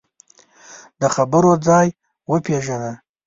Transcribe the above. د خبرو ځای وپېژنه